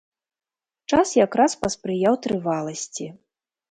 Час якраз паспрыяў трываласці.